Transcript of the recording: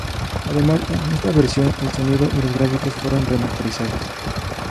Además en esta versión el sonido y los gráficos fueron remasterizados.